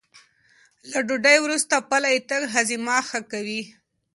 له ډوډۍ وروسته پلی تګ هاضمه ښه کوي.